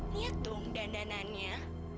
lihat dong dandanannya